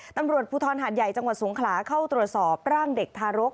ตำรวจภูทรหาดใหญ่จังหวัดสงขลาเข้าตรวจสอบร่างเด็กทารก